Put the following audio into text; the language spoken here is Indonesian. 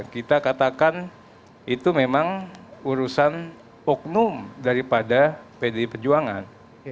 kita katakan itu memang urusan oknum daripada pdi perjuangan